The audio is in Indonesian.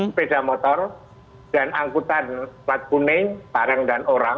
sepeda motor dan angkutan plat kuning barang dan orang